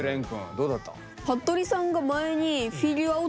どうだった？